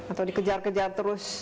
atau dikejar kejar terus